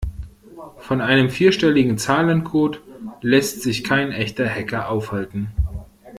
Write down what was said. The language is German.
Von einem vierstelligen Zahlencode lässt sich kein echter Hacker aufhalten.